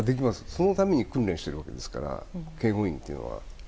そのために訓練しているわけですから警護員というのは。